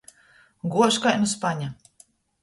Guož kai nu spaņa.